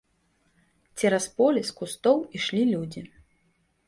Цераз поле, з кустоў, ішлі людзі.